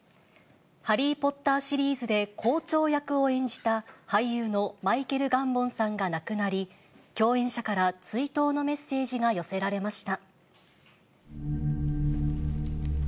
ハリー・ポッターシリーズで、校長役を演じた俳優のマイケル・ガンボンさんが亡くなり、共演者から追悼のメッセージが寄せられました。